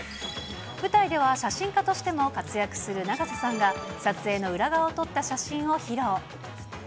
舞台では、写真家としても活躍する永瀬さんが、撮影の裏側を撮った写真を披露。